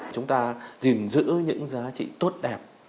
chúng ta giữ những giá trị tốt đẹp